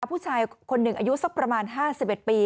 ผู้ชายคนหนึ่งอายุสักประมาณ๕๑ปี